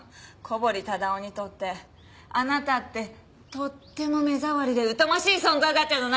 小堀忠夫にとってあなたってとっても目障りで疎ましい存在だったんじゃないかしら。